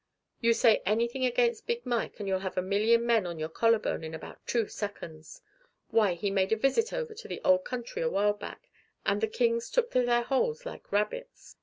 You say anything against Big Mike and you'll have a million men on your collarbone in about two seconds. Why, he made a visit over to the old country awhile back, and the kings took to their holes like rabbits.